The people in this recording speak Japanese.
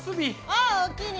あっおおきに。